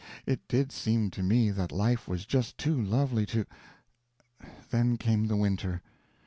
It did seem to me that life was just too lovely to Then came the winter.